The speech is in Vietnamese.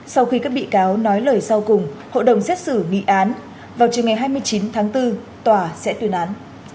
sau khi các bị cáo nói lời sau cùng hội đồng xét xử nghị án vào trường ngày hai mươi chín tháng bốn tòa sẽ tuyên án